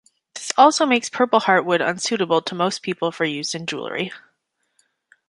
This also makes purpleheart wood unsuitable to most people for use in jewelry.